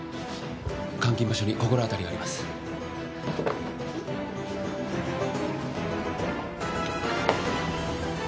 監禁場所に心当たりがあります。